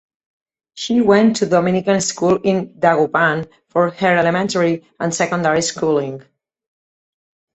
She went to Dominican School in Dagupan for her elementary and secondary schooling.